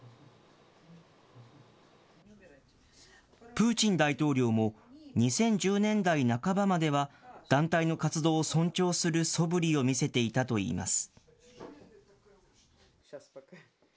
プーチン大統領も、２０１０年代半ばまでは、団体の活動を尊重するそぶりを見せていたといいます。